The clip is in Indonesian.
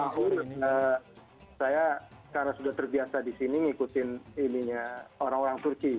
kalau sahur saya karena sudah terbiasa di sini ngikutin orang orang turki